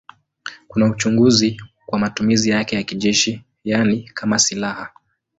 Kuna uchunguzi kwa matumizi yake ya kijeshi, yaani kama silaha.